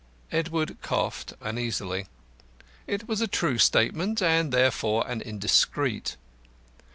Edward coughed uneasily. It was a true statement, and therefore an indiscreet.